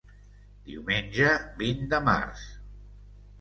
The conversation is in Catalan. Diumenge vint de març.